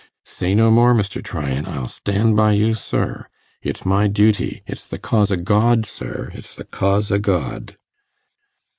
'Say no more, Mr. Tryan. I'll stan' by you, sir. It's my duty. It's the cause o' God, sir; it's the cause o' God.